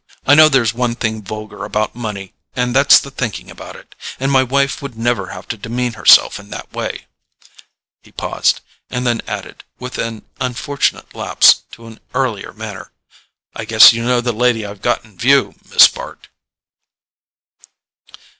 I know there's one thing vulgar about money, and that's the thinking about it; and my wife would never have to demean herself in that way." He paused, and then added, with an unfortunate lapse to an earlier manner: "I guess you know the lady I've got in view, Miss Bart."